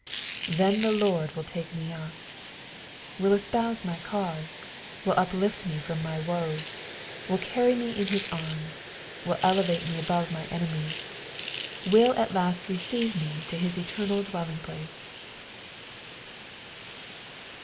" Then the Lordwill take me up." Will espouse my cause, will i}plift roe from my woes, will carry me in his arms, will elevate me above my enemies, will nt last receive me to his eternal dwelling place.